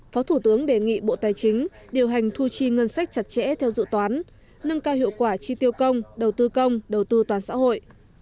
phó thủ tướng đề nghị bộ tài chính điều hành thu chi ngân sách chặt chẽ theo dự toán nâng cao hiệu quả chi tiêu công đầu tư công đầu tư toàn xã hội